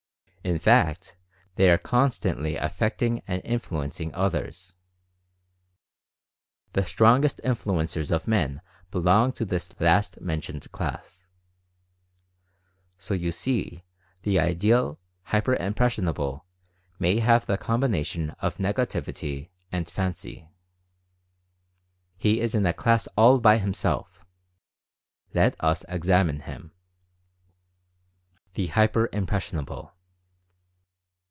In fact they are constantly affecting and influencing oth ers. The strongest influencers of men belong to this last mentioned class. So you see the ideal "hyper im pressionable" must have the combination of Negativity, and Fancy. He is in a class all fr r himself. Let us examine him. THE "HYPER IMPRESSIONABLE."